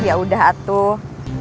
ya udah atuh